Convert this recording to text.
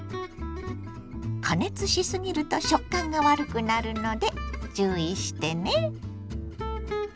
加熱しすぎると食感が悪くなるので注意してね。